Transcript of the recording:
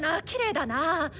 きれいだな！